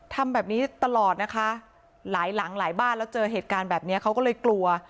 ทำแบบนี้ตลอดนะคะหลายหลังหลายบ้านแล้วเจอเหตุการณ์แบบนี้เขาก็เลยกลัว